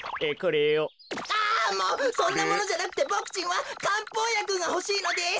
そんなものじゃなくてボクちんはかんぽうやくがほしいのです。